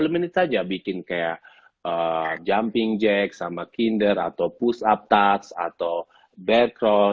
sepuluh menit saja bikin kayak jumping jack sama kinder atau push up touch atau back roll